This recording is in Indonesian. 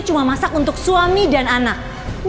dengan cintamu ya rabbi